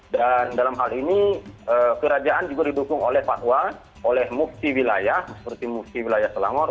dan dalam hal ini kerajaan juga didukung oleh fatwa oleh mufti wilayah seperti mufti wilayah selangor